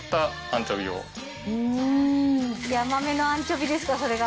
ヤマメのアンチョビですかそれが。